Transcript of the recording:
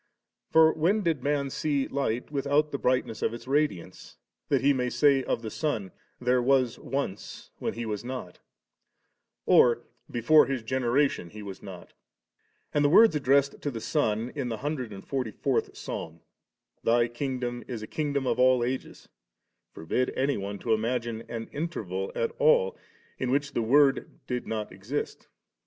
for when did man see light without the brightness of its radiance, that he may say of the Son, * There was once, when He was not,* or * Before His generation He was not' And the words addressed to the Son in the hundred and forty fourth Psalm, *Thy kingdom is a kingdom of all ages *,' forbid any one to ima gine any interval at all in which the Word did not exist.